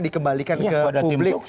dikembalikan ke publik